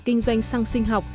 kinh doanh xăng sinh học